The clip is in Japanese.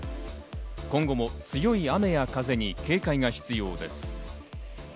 今後も強い雨や風に警戒が必要です。